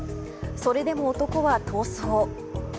それでも男は逃走。